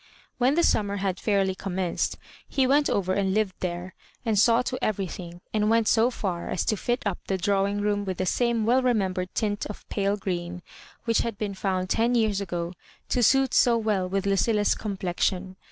When the summer had fairly commenced he went over and Uved there, and saw to everything, and went so far as to fit up the drawing room with the same well remem bered tint of pale green which had been found ten years ago to suit so well with Lucilla^s com plexion.